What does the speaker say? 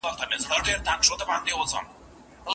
د کلمو د سمو بڼو په یاد ساتلو کي.